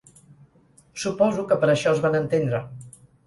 Suposo que per això es van entendre.